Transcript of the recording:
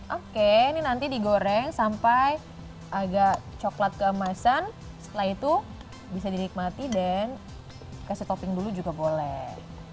oke ini nanti digoreng sampai agak coklat keemasan setelah itu bisa dinikmati dan kasih topping dulu juga boleh